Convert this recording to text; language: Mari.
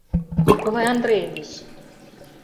Николай Андреевич!